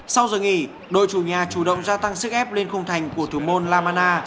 sau giờ nghỉ đội chủ nhà chủ động ra tăng sức ép lên khung thành của thủ môn la maná